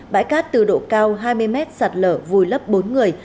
bãi cát từ độ cao hai mươi mét sạt lở vùi lấp bốn người